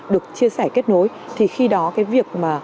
được chia sẻ kết nối thì khi đó cái việc mà